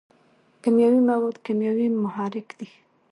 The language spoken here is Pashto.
کیمیاوي مواد کیمیاوي محرک دی.